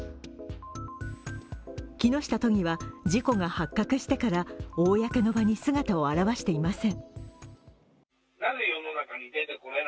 木下都議は事故が発覚してから、公の場に姿を現していません。